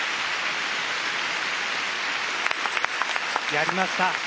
やりました。